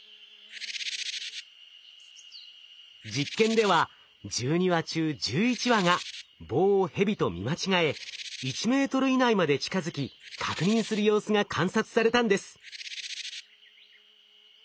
実験では１２羽中１１羽が棒をヘビと見間違え１ｍ以内まで近づき確認する様子が観察されたんです。